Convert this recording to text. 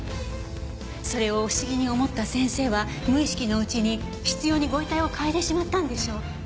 それを不思議に思った先生は無意識のうちに執拗にご遺体を嗅いでしまったんでしょう。